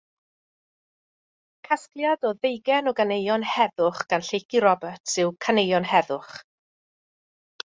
Casgliad o ddeugain o ganeuon heddwch gan Lleucu Roberts yw Caneuon Heddwch.